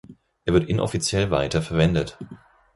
Er wird inoffiziell weiter verwendet.